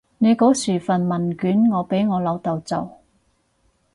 你嗰時份問卷我俾我老豆做